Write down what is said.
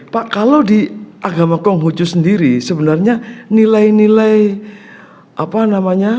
pak kalau di agama konghucu sendiri sebenarnya nilai nilai apa namanya